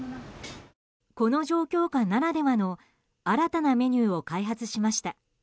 この状況下ならではの新たなメニューを開発しました。